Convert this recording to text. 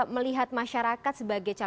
melihat masyarakat sebagai calon